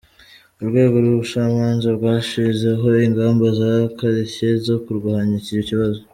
Urwego rw’ubucamanza bwashyizeho ingamba zikarishye zo kurwanya iki kibazo.